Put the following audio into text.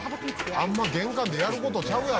あんま玄関でやる事ちゃうやろ。